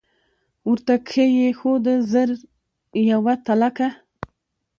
ورته کښې یې ښوده ژر یوه تلکه